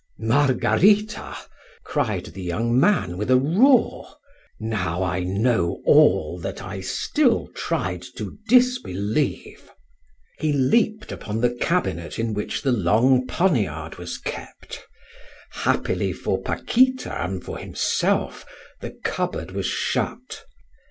"Margarita!" cried the young man, with a roar; "now I know all that I still tried to disbelieve." He leaped upon the cabinet in which the long poniard was kept. Happily for Paquita and for himself, the cupboard was shut.